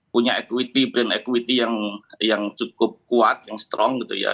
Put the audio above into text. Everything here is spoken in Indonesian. punya equity brand equity yang cukup kuat yang strong gitu ya